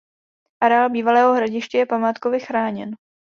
Areál bývalého hradiště je památkově chráněn.